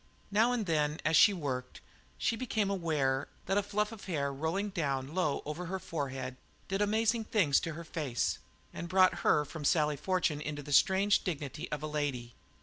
Now and then, as she worked, she became aware that a fluff of hair rolling down low over her forehead did amazing things to her face and brought her from Sally Fortune into the strange dignity of a "lady."